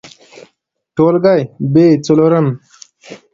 ټولګى : ب څلورم